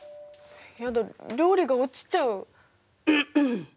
やだ料理が落ちちゃう。